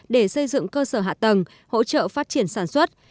để xây dựng cơ sở hạ tầng hỗ trợ phát triển sản xuất